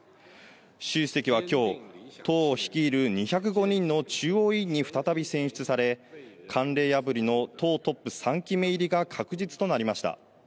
習主席はきょう、党を率いる２０５人の中央委員に再び選出され、慣例破りの党トップ３期目入りが確実となりました。